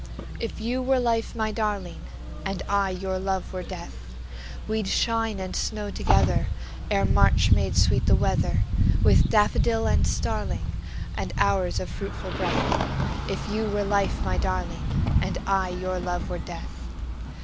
If you were life, my darling, And I your love were death, We'd shine and snow togetherEre March made sweet the weatherWith daffodil and starlingAnd hours of fruitful breath; If you were life, my darling, And I your love were death.